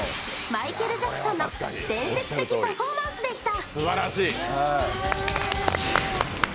マイケル・ジャクソンの伝説的パフォーマンスでした。